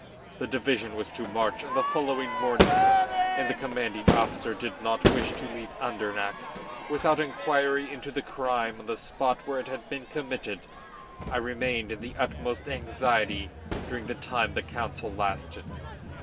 The division was to march on the following morning, and the commanding officer did not wish to leave Andernach without inquiry into the crime on the spot where it had been committed. I remained in the utmost anxiety during the time the council lasted.